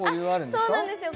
そうなんですよ